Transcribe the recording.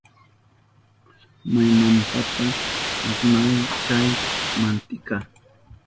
¿Maymantata asnahun chay mantika?